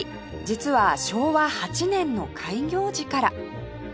実は昭和８年の開業時から